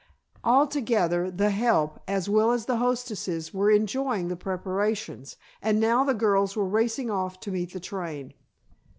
Altogether "the help" as well as the hostesses were enjoying the preparations, and now the girls were racing off to meet the train.